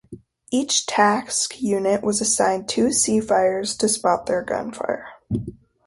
Each task unit was assigned two Seafires to spot their gunfire.